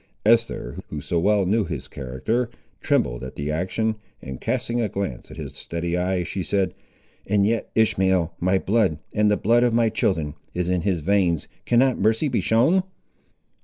Esther, who so well knew his character, trembled at the action, and casting a glance at his steady eye, she said— "And yet, Ishmael, my blood, and the blood of my children, is in his veins, cannot mercy be shown?"